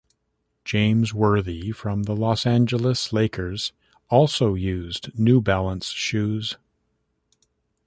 James Worthy from the Los Angeles Lakers also used New Balance shoes.